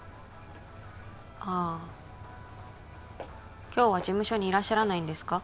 ああ今日は事務所にいらっしゃらないんですか？